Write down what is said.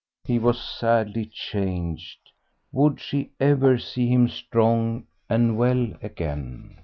He was sadly changed. Would she ever see him strong and well again?